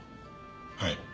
はい。